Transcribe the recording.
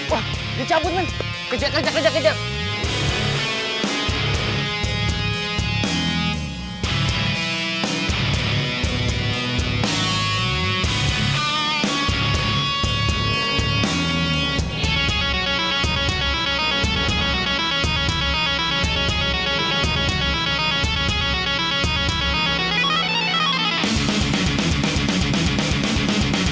wah dia cabut men kejar kejar kejar